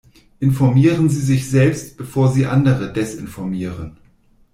Informieren Sie sich selbst, bevor sie andere desinformieren.